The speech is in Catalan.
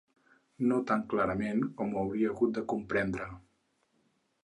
No tan clarament com ho hauria hagut de comprendre